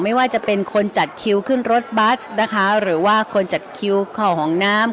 ไม่ว่าจะเป็นคนจัดคิวขึ้นรถบัสนะคะหรือว่าคนจัดคิวเข้าห้องน้ำ